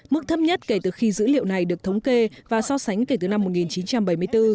mức thấp nhất kể từ khi dữ liệu này được thống kê và so sánh kể từ năm một nghìn chín trăm bảy mươi bốn